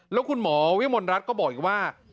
แล้วคุณหมอวิมลรัฐก็บอกอีกว่า